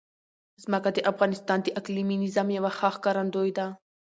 ځمکه د افغانستان د اقلیمي نظام یوه ښه ښکارندوی ده.